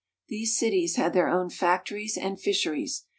These cities had their own factories and fisheries.